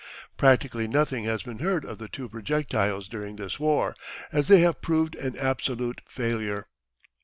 Practically nothing has been heard of the two projectiles during this war, as they have proved an absolute failure.